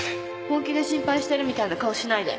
本気で心配してるみたいな顔しないで